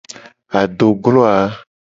Adoglo a.